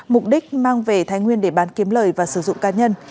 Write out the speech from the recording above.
mục đích mang về thái nguyên để bán kiếm lời và sử dụng cá nhân